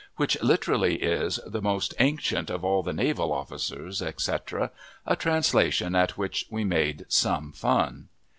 which, literally, is "the most ancient of all the naval officers," etc., a translation at which we made some fun.